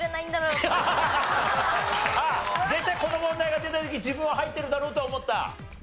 あっ絶対この問題が出た時自分は入ってるだろうと思った？